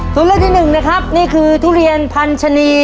สาวเลยเหรอครับค่ะมันเริ่มจากอะไรบ้างซักรีดอ่ะก็แป๊บน้ำแป๊บน้ำ